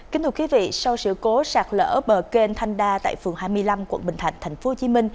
kính thưa quý vị sau sự cố sạt lỡ bờ kênh thanh đa tại phường hai mươi năm quận bình thạnh tp hcm